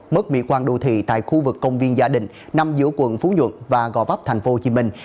mất mỹ quan đô thị tại khu vực công viên gia đình nằm giữa quận phú nhuận và gò vấp thành phố hồ chí minh